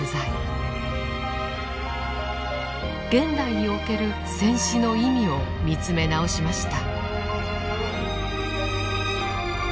現代における戦死の意味を見つめ直しました。